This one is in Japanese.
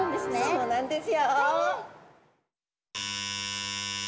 そうなんですよ。